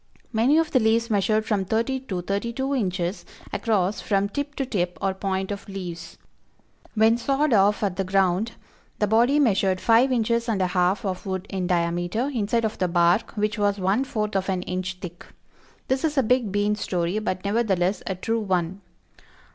Many of the leaves measured from thirty to thirty two inches across from tip to tip or point of leaves. When sawed off at the ground, the body measured five inches and a half of wood in diameter, inside of the bark, which was one fourth of an inch thick. This is a big bean story but nevertheless a true one.